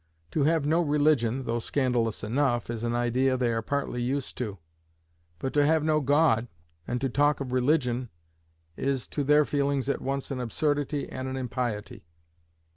To have no religion, though scandalous enough, is an idea they are partly used to: but to have no God, and to talk of religion, is to their feelings at once an absurdity and an impiety.